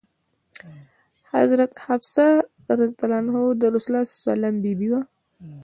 حضرت حفصه د رسول الله بي بي وه.